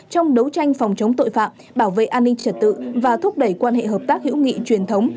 trong đấu tranh phòng chống tội phạm bảo vệ an ninh trật tự và thúc đẩy quan hệ hợp tác hữu nghị truyền thống